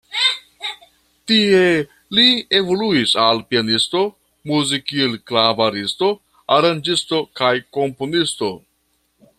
Tie li evoluis al pianisto, muzikil-klavaristo, aranĝisto kaj komponisto.